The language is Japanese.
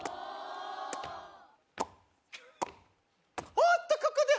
おっとここで。